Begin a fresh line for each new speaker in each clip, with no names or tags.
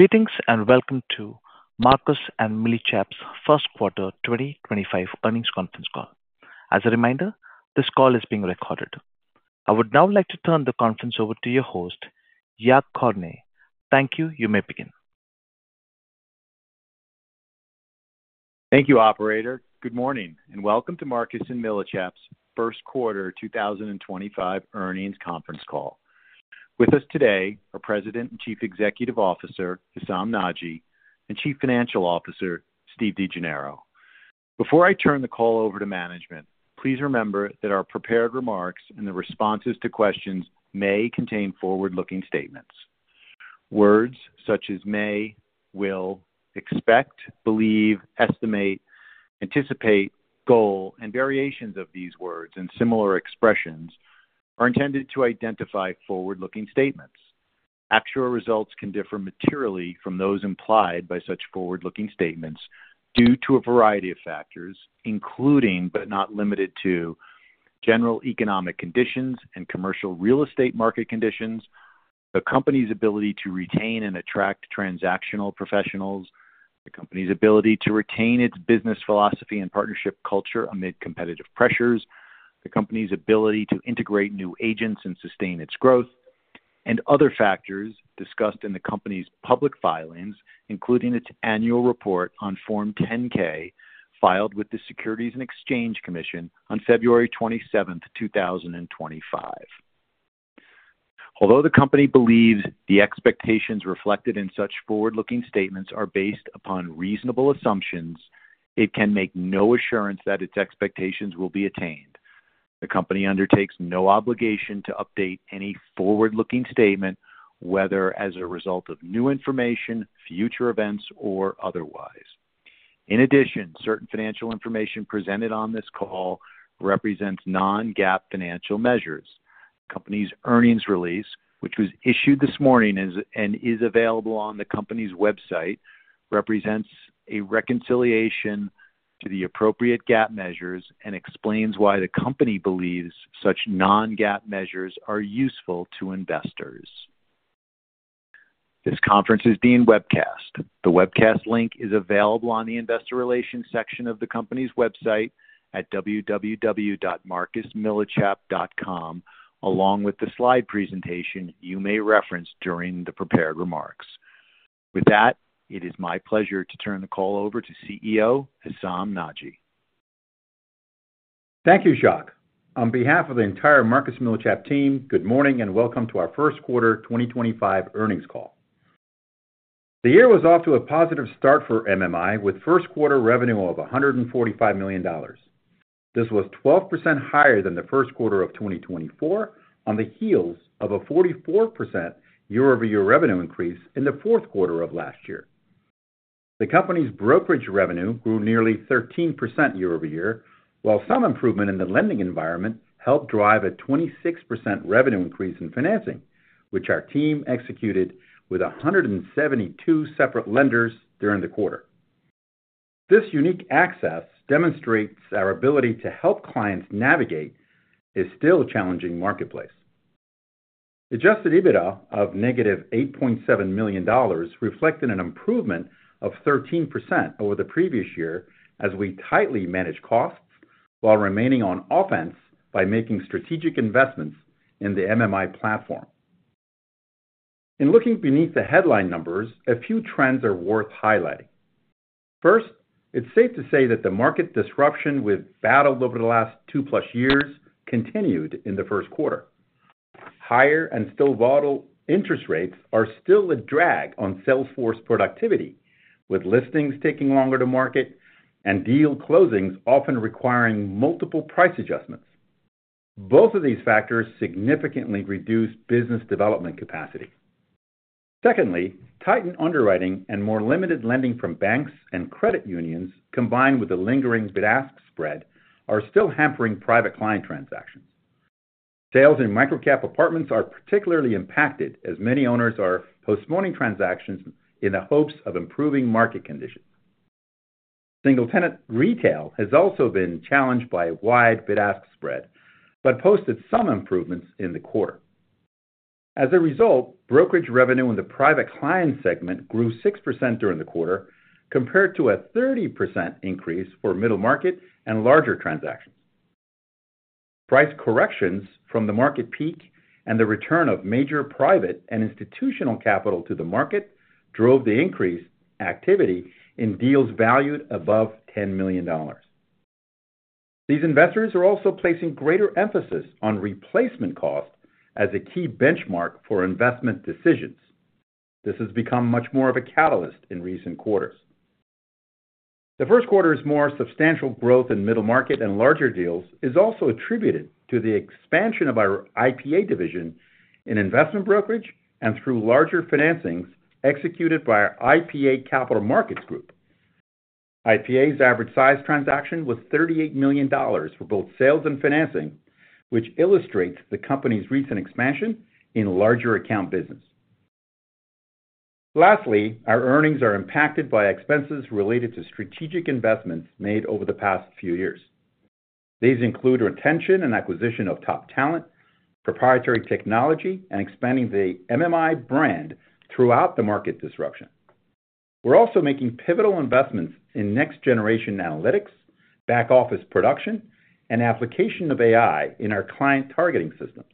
Greetings and welcome to Marcus & Millichap's First Quarter 2025 Earnings Conference Call. As a reminder, this call is being recorded. I would now like to turn the conference over to your host, Jacques Cornet. Thank you, you may begin.
Thank you, Operator. Good morning and welcome to Marcus & Millichap's First Quarter 2025 Earnings Conference Call. With us today are President and Chief Executive Officer Hessam Nadji and Chief Financial Officer Steve Degennaro. Before I turn the call over to management, please remember that our prepared remarks and the responses to questions may contain forward-looking statements. Words such as may, will, expect, believe, estimate, anticipate, goal, and variations of these words and similar expressions are intended to identify forward-looking statements. Actual results can differ materially from those implied by such forward-looking statements due to a variety of factors, including but not limited to general economic conditions and commercial real estate market conditions, the company's ability to retain and attract transactional professionals, the company's ability to retain its business philosophy and partnership culture amid competitive pressures, the company's ability to integrate new agents and sustain its growth, and other factors discussed in the company's public filings, including its annual report on Form 10-K filed with the Securities and Exchange Commission on February 27, 2025. Although the company believes the expectations reflected in such forward-looking statements are based upon reasonable assumptions, it can make no assurance that its expectations will be attained. The company undertakes no obligation to update any forward-looking statement, whether as a result of new information, future events, or otherwise. In addition, certain financial information presented on this call represents non-GAAP financial measures. The company's earnings release, which was issued this morning and is available on the company's website, represents a reconciliation to the appropriate GAAP measures and explains why the company believes such non-GAAP measures are useful to investors. This conference is being webcast. The webcast link is available on the investor relations section of the company's website at www.marcusmillichap.com, along with the slide presentation you may reference during the prepared remarks. With that, it is my pleasure to turn the call over to CEO Hessam Nadji.
Thank you, Jacques. On behalf of the entire Marcus & Millichap team, good morning and welcome to our First Quarter 2025 Earnings Call. The year was off to a positive start for MMI with first quarter revenue of $145 million. This was 12% higher than the first quarter of 2024 on the heels of a 44% year-over-year revenue increase in the fourth quarter of last year. The company's brokerage revenue grew nearly 13% year-over-year, while some improvement in the lending environment helped drive a 26% revenue increase in financing, which our team executed with 172 separate lenders during the quarter. This unique access demonstrates our ability to help clients navigate a still challenging marketplace. Adjusted EBITDA of negative $8.7 million reflected an improvement of 13% over the previous year as we tightly manage costs while remaining on offense by making strategic investments in the MMI platform. In looking beneath the headline numbers, a few trends are worth highlighting. First, it's safe to say that the market disruption we've battled over the last two-plus years continued in the first quarter. Higher and still volatile interest rates are still a drag on sales force productivity, with listings taking longer to market and deal closings often requiring multiple price adjustments. Both of these factors significantly reduce business development capacity. Secondly, tightened underwriting and more limited lending from banks and credit unions, combined with the lingering bid-ask spread, are still hampering private client transactions. Sales in microcap apartments are particularly impacted as many owners are postponing transactions in the hopes of improving market conditions. Single-tenant retail has also been challenged by a wide bid-ask spread but posted some improvements in the quarter. As a result, brokerage revenue in the private client segment grew 6% during the quarter compared to a 30% increase for middle market and larger transactions. Price corrections from the market peak and the return of major private and institutional capital to the market drove the increase activity in deals valued above $10 million. These investors are also placing greater emphasis on replacement cost as a key benchmark for investment decisions. This has become much more of a catalyst in recent quarters. The first quarter's more substantial growth in middle market and larger deals is also attributed to the expansion of our IPA division in investment brokerage and through larger financings executed by our IPA Capital Markets Group. IPA's average size transaction was $38 million for both sales and financing, which illustrates the company's recent expansion in larger account business. Lastly, our earnings are impacted by expenses related to strategic investments made over the past few years. These include retention and acquisition of top talent, proprietary technology, and expanding the MMI brand throughout the market disruption. We're also making pivotal investments in next-generation analytics, back-office production, and application of AI in our client targeting system.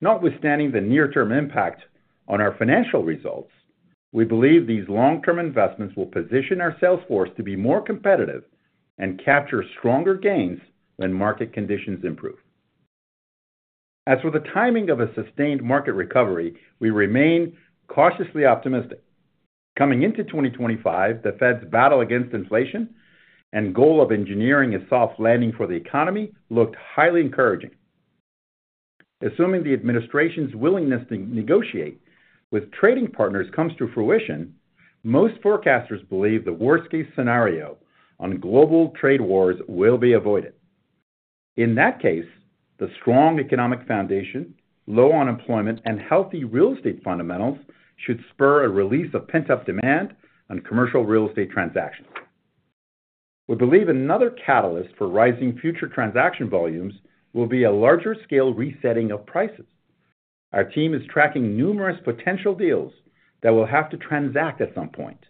Notwithstanding the near-term impact on our financial results, we believe these long-term investments will position our sales force to be more competitive and capture stronger gains when market conditions improve. As for the timing of a sustained market recovery, we remain cautiously optimistic. Coming into 2025, the Fed's battle against inflation and goal of engineering a soft landing for the economy looked highly encouraging. Assuming the administration's willingness to negotiate with trading partners comes to fruition, most forecasters believe the worst-case scenario on global trade wars will be avoided. In that case, the strong economic foundation, low unemployment, and healthy real estate fundamentals should spur a release of pent-up demand on commercial real estate transactions. We believe another catalyst for rising future transaction volumes will be a larger-scale resetting of prices. Our team is tracking numerous potential deals that will have to transact at some point.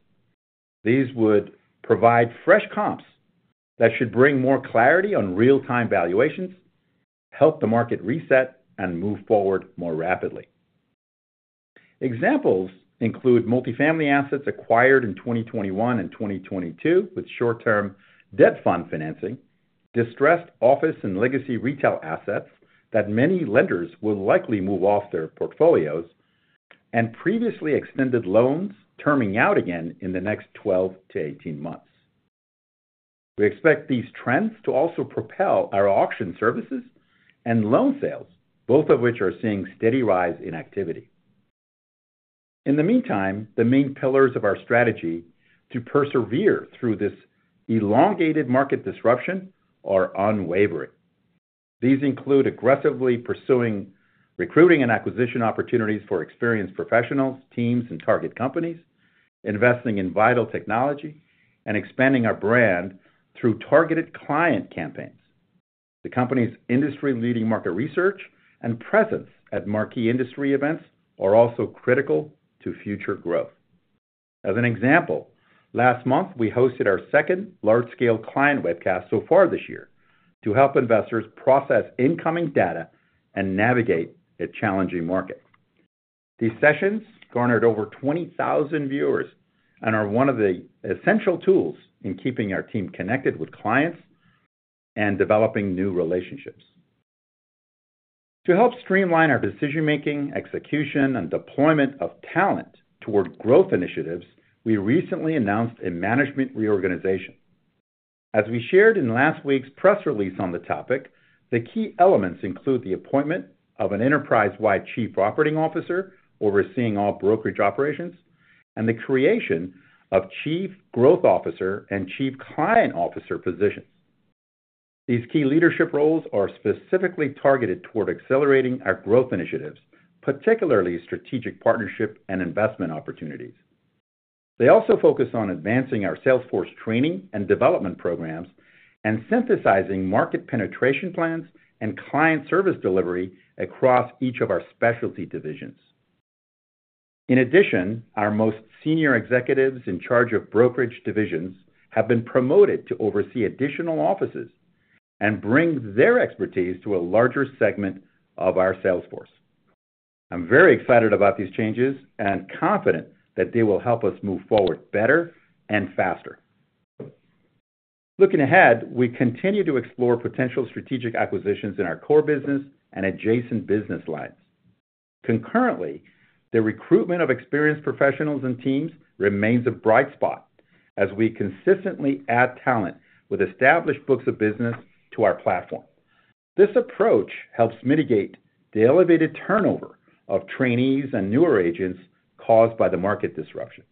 These would provide fresh comps that should bring more clarity on real-time valuations, help the market reset, and move forward more rapidly. Examples include multifamily assets acquired in 2021 and 2022 with short-term debt fund financing, distressed office and legacy retail assets that many lenders will likely move off their portfolios, and previously extended loans terming out again in the next 12 to 18 months. We expect these trends to also propel our auction services and loan sales, both of which are seeing steady rise in activity. In the meantime, the main pillars of our strategy to persevere through this elongated market disruption are unwavering. These include aggressively pursuing recruiting and acquisition opportunities for experienced professionals, teams, and target companies, investing in vital technology, and expanding our brand through targeted client campaigns. The company's industry-leading market research and presence at marquee industry events are also critical to future growth. As an example, last month, we hosted our second large-scale client webcast so far this year to help investors process incoming data and navigate a challenging market. These sessions garnered over 20,000 viewers and are one of the essential tools in keeping our team connected with clients and developing new relationships. To help streamline our decision-making, execution, and deployment of talent toward growth initiatives, we recently announced a management reorganization. As we shared in last week's press release on the topic, the key elements include the appointment of an enterprise-wide Chief Operating Officer overseeing all brokerage operations and the creation of Chief Growth Officer and Chief Client Officer positions. These key leadership roles are specifically targeted toward accelerating our growth initiatives, particularly strategic partnership and investment opportunities. They also focus on advancing our sales force training and development programs and synthesizing market penetration plans and client service delivery across each of our specialty divisions. In addition, our most senior executives in charge of brokerage divisions have been promoted to oversee additional offices and bring their expertise to a larger segment of our sales force. I'm very excited about these changes and confident that they will help us move forward better and faster. Looking ahead, we continue to explore potential strategic acquisitions in our core business and adjacent business lines. Concurrently, the recruitment of experienced professionals and teams remains a bright spot as we consistently add talent with established books of business to our platform. This approach helps mitigate the elevated turnover of trainees and newer agents caused by the market disruption.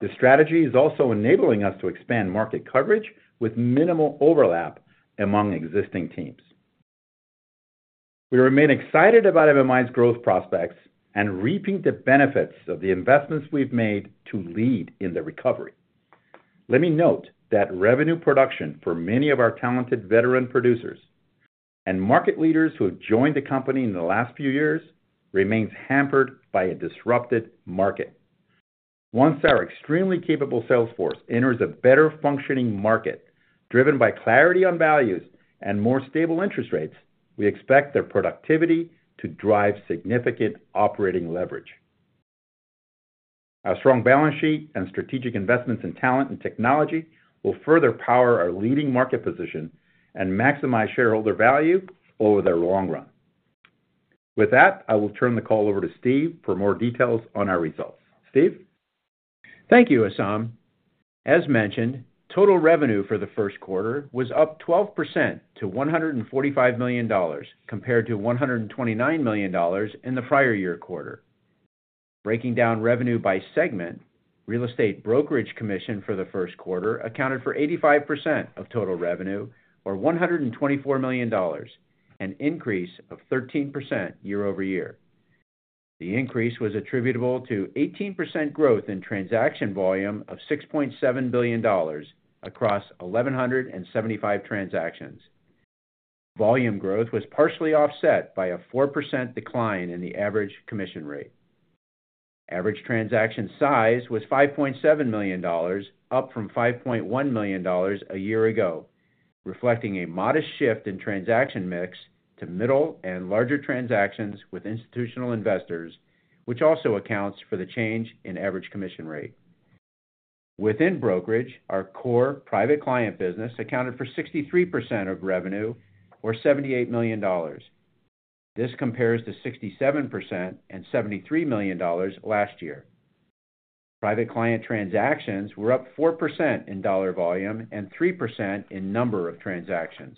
The strategy is also enabling us to expand market coverage with minimal overlap among existing teams. We remain excited about MMI's growth prospects and reaping the benefits of the investments we've made to lead in the recovery. Let me note that revenue production for many of our talented veteran producers and market leaders who have joined the company in the last few years remains hampered by a disrupted market. Once our extremely capable sales force enters a better-functioning market driven by clarity on values and more stable interest rates, we expect their productivity to drive significant operating leverage. Our strong balance sheet and strategic investments in talent and technology will further power our leading market position and maximize shareholder value over the long run. With that, I will turn the call over to Steve for more details on our results. Steve?
Thank you, Hessam. As mentioned, total revenue for the first quarter was up 12% to $145 million compared to $129 million in the prior year quarter. Breaking down revenue by segment, Real Estate Brokerage Commission for the first quarter accounted for 85% of total revenue, or $124 million, an increase of 13% year-over-year. The increase was attributable to 18% growth in transaction volume of $6.7 billion across 1,175 transactions. Volume growth was partially offset by a 4% decline in the average commission rate. Average transaction size was $5.7 million, up from $5.1 million a year ago, reflecting a modest shift in transaction mix to middle and larger transactions with institutional investors, which also accounts for the change in average commission rate. Within brokerage, our core private client business accounted for 63% of revenue, or $78 million. This compares to 67% and $73 million last year. Private client transactions were up 4% in dollar volume and 3% in number of transactions.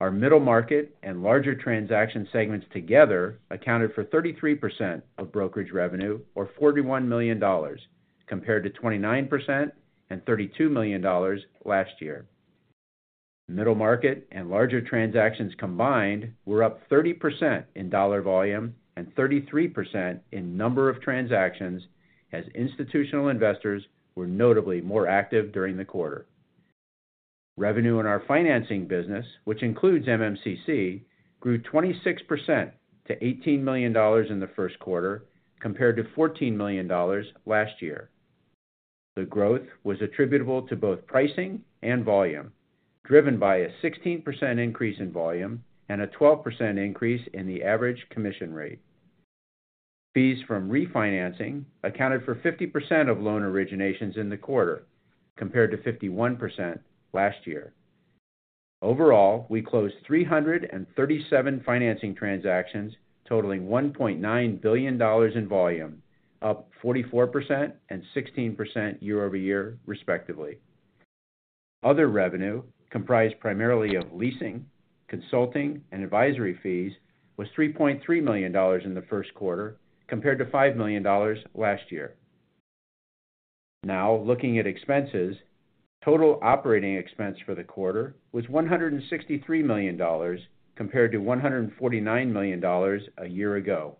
Our middle market and larger transaction segments together accounted for 33% of brokerage revenue, or $41 million, compared to 29% and $32 million last year. Middle market and larger transactions combined were up 30% in dollar volume and 33% in number of transactions as institutional investors were notably more active during the quarter. Revenue in our financing business, which includes MMCC, grew 26% to $18 million in the first quarter, compared to $14 million last year. The growth was attributable to both pricing and volume, driven by a 16% increase in volume and a 12% increase in the average commission rate. Fees from refinancing accounted for 50% of loan originations in the quarter, compared to 51% last year. Overall, we closed 337 financing transactions totaling $1.9 billion in volume, up 44% and 16% year-over-year, respectively. Other revenue, comprised primarily of leasing, consulting, and advisory fees, was $3.3 million in the first quarter, compared to $5 million last year. Now, looking at expenses, total operating expense for the quarter was $163 million, compared to $149 million a year ago.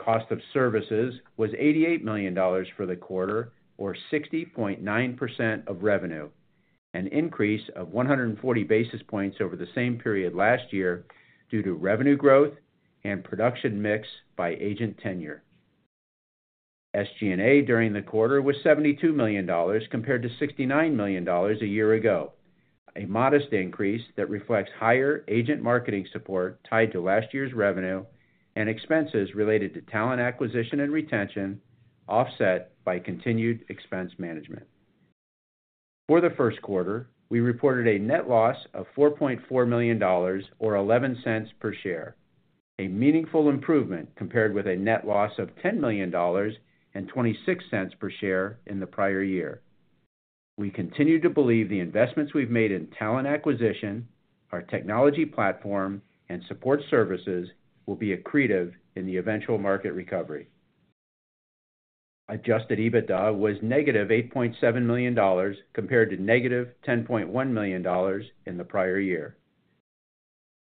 Cost of services was $88 million for the quarter, or 60.9% of revenue, an increase of 140 basis points over the same period last year due to revenue growth and production mix by agent tenure. SG&A during the quarter was $72 million, compared to $69 million a year ago, a modest increase that reflects higher agent marketing support tied to last year's revenue and expenses related to talent acquisition and retention, offset by continued expense management. For the first quarter, we reported a net loss of $4.4 million, or $0.11 per share, a meaningful improvement compared with a net loss of $10 million and $0.26 per share in the prior year. We continue to believe the investments we've made in talent acquisition, our technology platform, and support services will be accretive in the eventual market recovery. Adjusted EBITDA was negative $8.7 million, compared to negative $10.1 million in the prior year.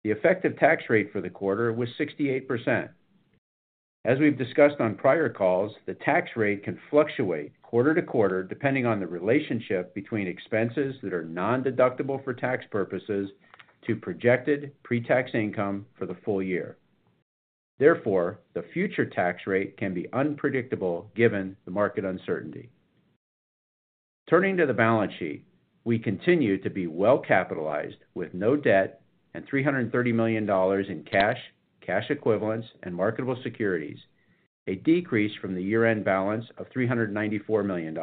The effective tax rate for the quarter was 68%. As we've discussed on prior calls, the tax rate can fluctuate quarter to quarter depending on the relationship between expenses that are non-deductible for tax purposes to projected pre-tax income for the full year. Therefore, the future tax rate can be unpredictable given the market uncertainty. Turning to the balance sheet, we continue to be well-capitalized with no debt and $330 million in cash, cash equivalents, and marketable securities, a decrease from the year-end balance of $394 million.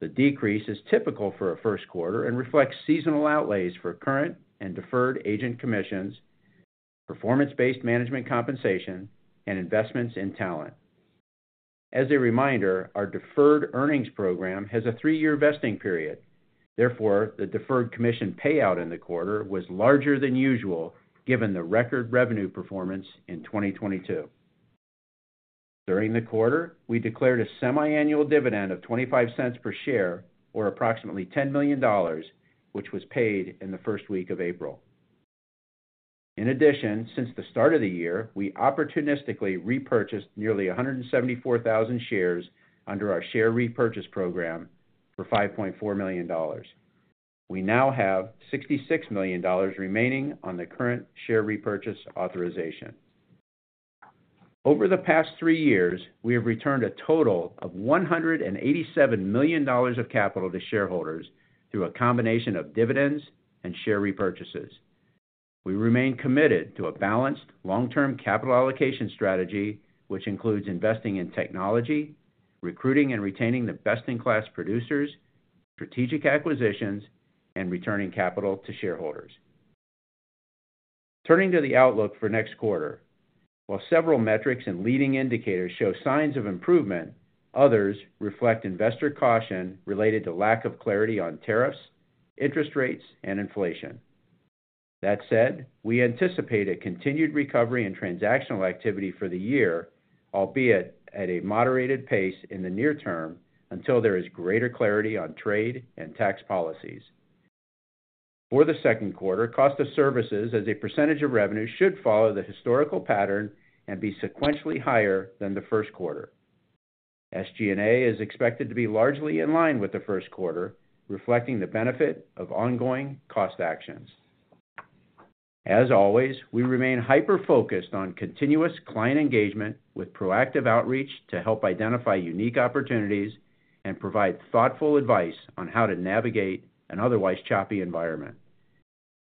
The decrease is typical for a first quarter and reflects seasonal outlays for current and deferred agent commissions, performance-based management compensation, and investments in talent. As a reminder, our deferred earnings program has a three-year vesting period. Therefore, the deferred commission payout in the quarter was larger than usual given the record revenue performance in 2022. During the quarter, we declared a semiannual dividend of $0.25 per share, or approximately $10 million, which was paid in the first week of April. In addition, since the start of the year, we opportunistically repurchased nearly 174,000 shares under our share repurchase program for $5.4 million. We now have $66 million remaining on the current share repurchase authorization. Over the past three years, we have returned a total of $187 million of capital to shareholders through a combination of dividends and share repurchases. We remain committed to a balanced long-term capital allocation strategy, which includes investing in technology, recruiting and retaining the best-in-class producers, strategic acquisitions, and returning capital to shareholders. Turning to the outlook for next quarter, while several metrics and leading indicators show signs of improvement, others reflect investor caution related to lack of clarity on tariffs, interest rates, and inflation. That said, we anticipate a continued recovery in transactional activity for the year, albeit at a moderated pace in the near term until there is greater clarity on trade and tax policies. For the second quarter, cost of services as a percentage of revenue should follow the historical pattern and be sequentially higher than the first quarter. SG&A is expected to be largely in line with the first quarter, reflecting the benefit of ongoing cost actions. As always, we remain hyper-focused on continuous client engagement with proactive outreach to help identify unique opportunities and provide thoughtful advice on how to navigate an otherwise choppy environment.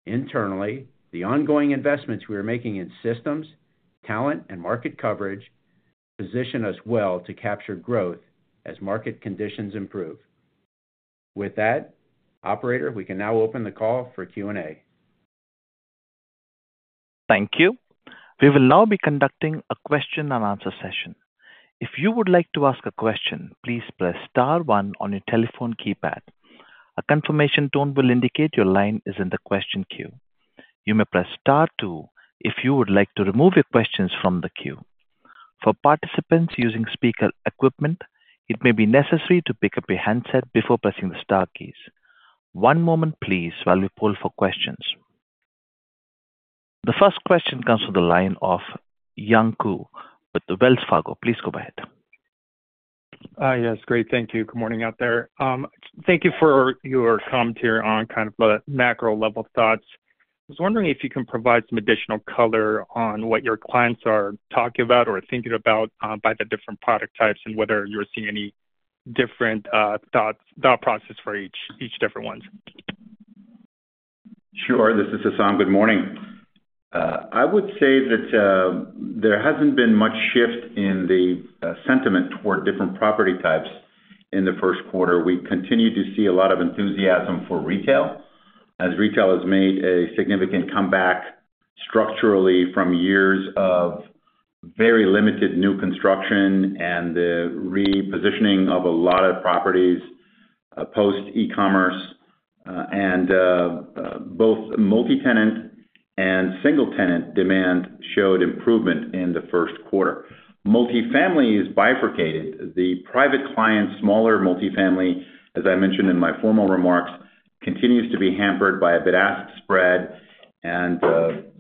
Internally, the ongoing investments we are making in systems, talent, and market coverage position us well to capture growth as market conditions improve. With that, Operator, we can now open the call for Q&A.
Thank you. We will now be conducting a question and answer session. If you would like to ask a question, please press Star 1 on your telephone keypad. A confirmation tone will indicate your line is in the question queue. You may press Star 2 if you would like to remove your questions from the queue. For participants using speaker equipment, it may be necessary to pick up your handset before pressing the Star keys. One moment, please, while we pull for questions. The first question comes from the line of Yankou at Wells Fargo. Please go ahead. Hi, yes, great. Thank you. Good morning out there. Thank you for your kind of macro level thoughts. I was wondering if you can provide some additional color on what your clients are talking about or thinking about by the different product types and whether you're seeing any different thought process for each different ones.
Sure. This is Hessam. Good morning. I would say that there has not been much shift in the sentiment toward different property types in the first quarter. We continue to see a lot of enthusiasm for retail as retail has made a significant comeback structurally from years of very limited new construction and the repositioning of a lot of properties post-e-commerce. Both multi-tenant and single-tenant demand showed improvement in the first quarter. Multi-family is bifurcated. The private client, smaller multi-family, as I mentioned in my formal remarks, continues to be hampered by a bid-ask spread and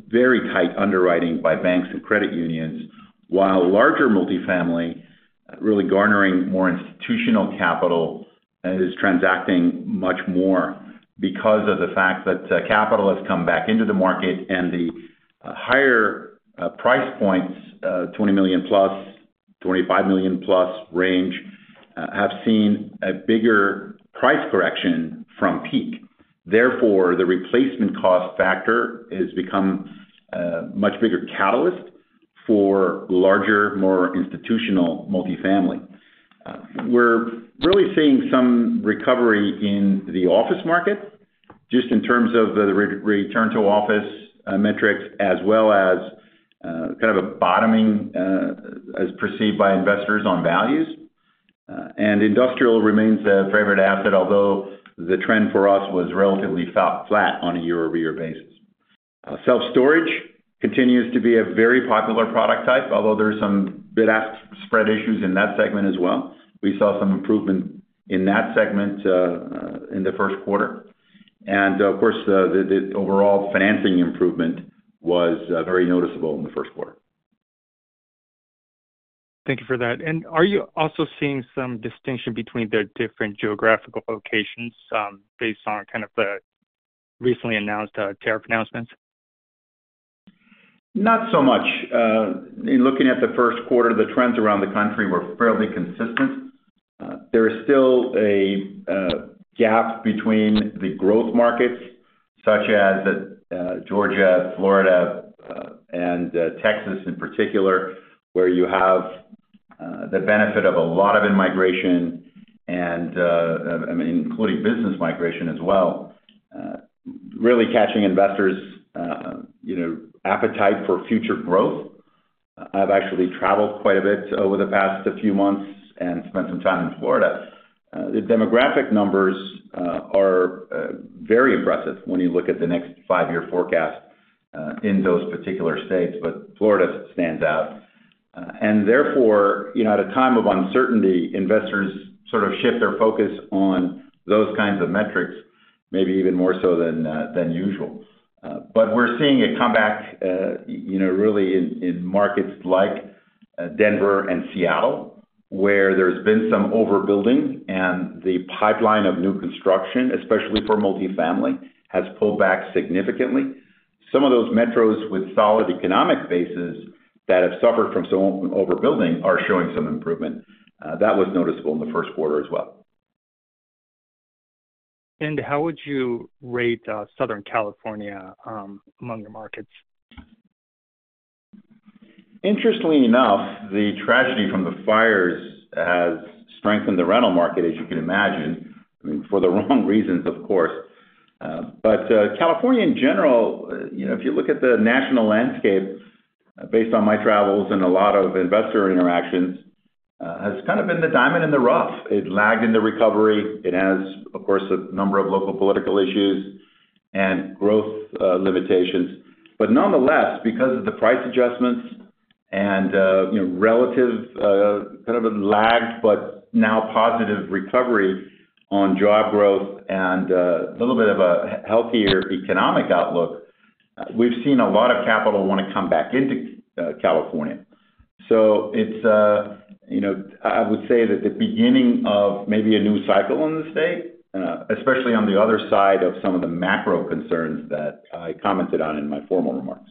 very tight underwriting by banks and credit unions, while larger multi-family really garnering more institutional capital and is transacting much more because of the fact that capital has come back into the market and the higher price points, $20 million plus, $25 million plus range, have seen a bigger price correction from peak. Therefore, the replacement cost factor has become a much bigger catalyst for larger, more institutional multi-family. We're really seeing some recovery in the office market just in terms of the return to office metrics, as well as kind of a bottoming as perceived by investors on values. Industrial remains a favorite asset, although the trend for us was relatively flat on a year-over-year basis. Self-storage continues to be a very popular product type, although there are some bid-ask spread issues in that segment as well. We saw some improvement in that segment in the first quarter. Of course, the overall financing improvement was very noticeable in the first quarter. Thank you for that. Are you also seeing some distinction between the different geographical locations based on kind of the recently announced tariff announcements? Not so much. In looking at the first quarter, the trends around the country were fairly consistent. There is still a gap between the growth markets, such as Georgia, Florida, and Texas in particular, where you have the benefit of a lot of immigration, including business migration as well, really catching investors' appetite for future growth. I've actually traveled quite a bit over the past few months and spent some time in Florida. The demographic numbers are very impressive when you look at the next five-year forecast in those particular states. Florida stands out. At a time of uncertainty, investors sort of shift their focus on those kinds of metrics, maybe even more so than usual. We're seeing a comeback really in markets like Denver and Seattle, where there's been some overbuilding, and the pipeline of new construction, especially for multi-family, has pulled back significantly. Some of those metros with solid economic bases that have suffered from some overbuilding are showing some improvement. That was noticeable in the first quarter as well. How would you rate Southern California among the markets? Interestingly enough, the tragedy from the fires has strengthened the rental market, as you can imagine, for the wrong reasons, of course. California, in general, if you look at the national landscape, based on my travels and a lot of investor interactions, has kind of been the diamond in the rough. It lagged in the recovery. It has, of course, a number of local political issues and growth limitations. Nonetheless, because of the price adjustments and relative kind of a lagged, but now positive recovery on job growth and a little bit of a healthier economic outlook, we've seen a lot of capital want to come back into California. I would say that the beginning of maybe a new cycle in the state, especially on the other side of some of the macro concerns that I commented on in my formal remarks.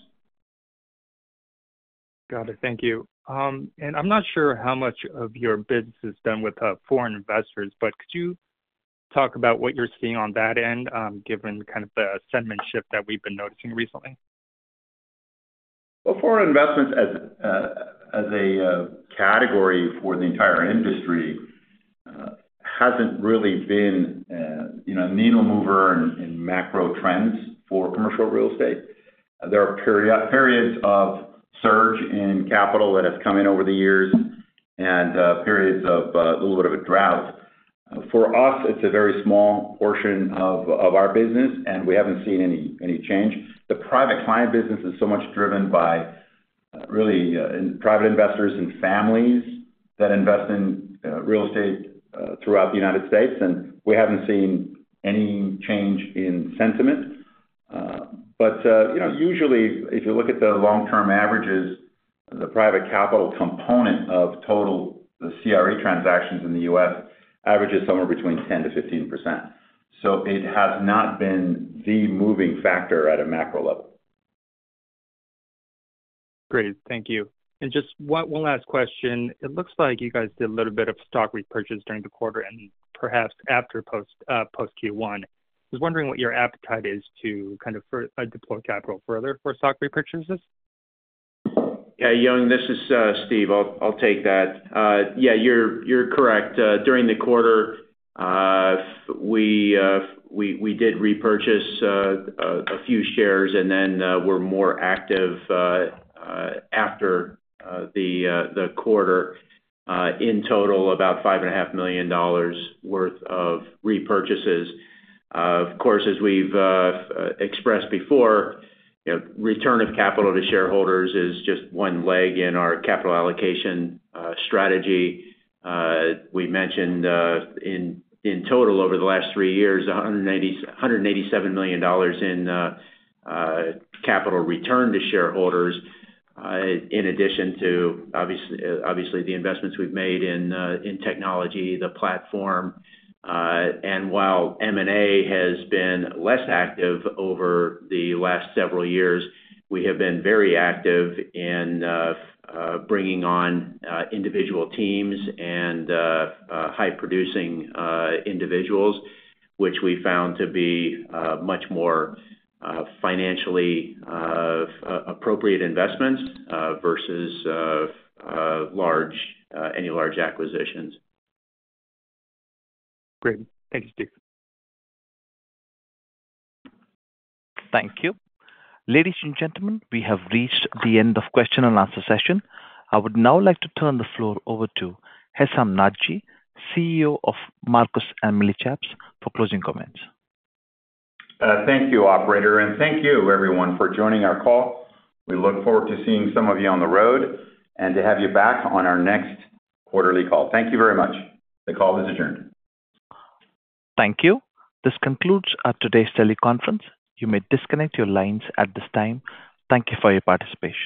Got it. Thank you. I'm not sure how much of your business is done with foreign investors, but could you talk about what you're seeing on that end, given kind of the sentiment shift that we've been noticing recently? Foreign investments, as a category for the entire industry, hasn't really been a needle-mover in macro trends for commercial real estate. There are periods of surge in capital that have come in over the years and periods of a little bit of a drought. For us, it's a very small portion of our business, and we haven't seen any change. The private client business is so much driven by really private investors and families that invest in real estate throughout the United States, and we haven't seen any change in sentiment. Usually, if you look at the long-term averages, the private capital component of total CRE transactions in the U.S. averages somewhere between 10%-15%. It has not been the moving factor at a macro level. Great. Thank you. Just one last question. It looks like you guys did a little bit of stock repurchase during the quarter and perhaps after post-Q1. I was wondering what your appetite is to kind of deploy capital further for stock repurchases.
Yeah, Yang, this is Steve. I'll take that. Yeah, you're correct. During the quarter, we did repurchase a few shares and then were more active after the quarter. In total, about $5.5 million worth of repurchases. Of course, as we've expressed before, return of capital to shareholders is just one leg in our capital allocation strategy. We mentioned in total over the last three years, $187 million in capital return to shareholders, in addition to obviously the investments we've made in technology, the platform. While M&A has been less active over the last several years, we have been very active in bringing on individual teams and high-producing individuals, which we found to be much more financially appropriate investments versus any large acquisitions. Great. Thank you, Steve.
Thank you. Ladies and gentlemen, we have reached the end of the question and answer session. I would now like to turn the floor over to Hessam Nadji, CEO of Marcus & Millichap, for closing comments.
Thank you, Operator, and thank you, everyone, for joining our call. We look forward to seeing some of you on the road and to have you back on our next quarterly call. Thank you very much. The call is adjourned.
Thank you. This concludes today's teleconference. You may disconnect your lines at this time. Thank you for your participation.